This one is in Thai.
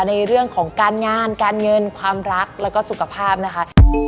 ในเรื่องของการงานการเงินความรักแล้วก็สุขภาพนะคะ